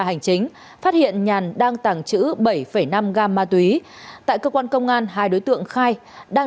hành chính phát hiện nhàn đang tàng trữ bảy năm gam ma túy tại cơ quan công an hai đối tượng khai đang